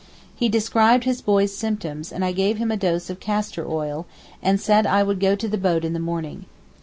He described his boy's symptoms and I gave him a dose of castor oil and said I would go to the boat in the morning.